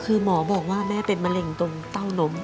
คือหมอบอกว่าแม่เป็นมะเร็งตรงเต้านม